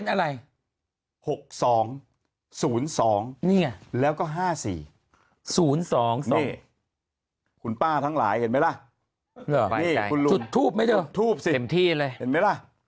๐๒เนี่ยแล้วก็๕๔๐๒๒คุณป้าทั้งหลายเห็นไหมล่ะทูบสิเห็นไหมล่ะ